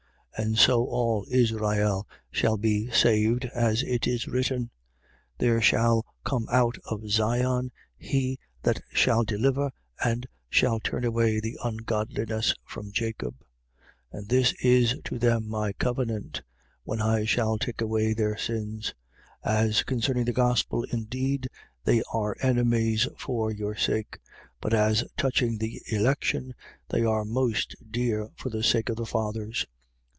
11:26. And so all Israel should be saved, as it is written: There shall come out of Sion, he that shall deliver and shall turn away ungodliness from Jacob. 11:27. And this is to them my covenant: when I shall take away their sins. 11:28. As concerning the gospel, indeed, they are enemies for your sake: but as touching the election, they are most dear for the sake of the fathers.